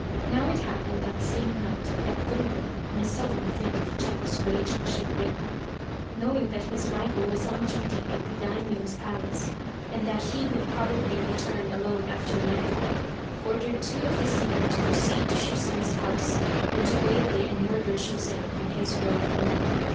Now it happened that same night that Gunbei, in a sudden fit of jealous rage and chagrin, knowing that his rival was on duty at the Daimio's Palace, and that he would probably return alone after night fall, ordered two of his men to proceed to Shusen's house and to waylay and murder Shusen on his road home.